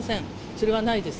それはないです。